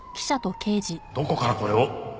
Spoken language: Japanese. どこからこれを？